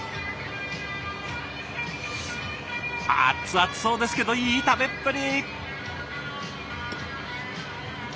熱々そうですけどいい食べっぷり！